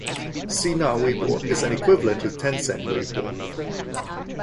Sina Weibo is an equivalent to Tencent Weibo.